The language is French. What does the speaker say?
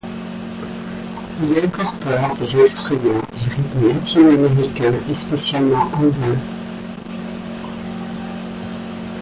Il incorpore des instruments et rythmes latino américain et spécialement andins.